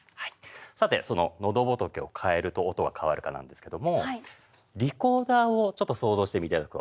さてそののどぼとけを変えると音が変わるかなんですけどもリコーダーをちょっと想像していただくと。